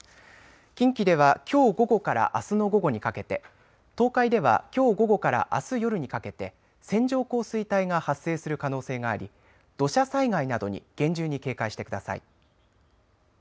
近畿ではきょう午後からあすの午後にかけて、東海ではきょう午後からあす夜にかけて線状降水帯が発生する可能性があり土砂災害などに厳重に警戒してください。